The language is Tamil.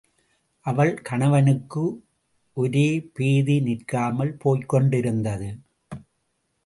அவள் கணவனுக்கு ஒரே பேதி நிற்காமல் போய்க்கொண்டிருந்தது.